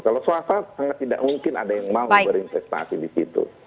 kalau swasta sangat tidak mungkin ada yang mau berinvestasi di situ